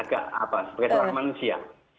agak apa sebagai seorang manusia